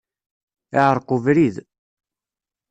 Iεreq ubrid.